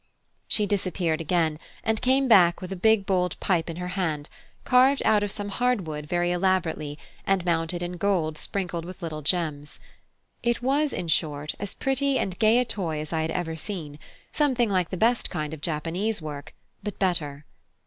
She disappeared again, and came back with a big bowled pipe in her hand, carved out of some hard wood very elaborately, and mounted in gold sprinkled with little gems. It was, in short, as pretty and gay a toy as I had ever seen; something like the best kind of Japanese work, but better.